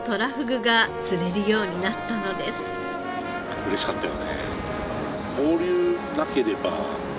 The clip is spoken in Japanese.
うれしかったよね。